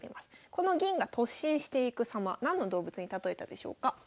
この銀が突進していくさま何の動物に例えたでしょうか。